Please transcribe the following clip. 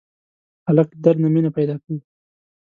هلک له درد نه مینه پیدا کوي.